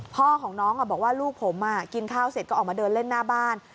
พ่อของน้องบอกว่าลูกผมกินข้าวเสร็จก็ออกมาเดินเล่นหน้าบ้าน